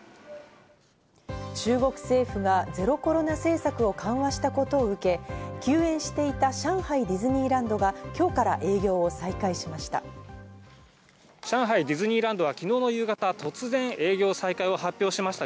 中国政府がゼロコロナ政策を緩和したことを受け、休園していた上海ディズニーランドが今日から営業を再開しました。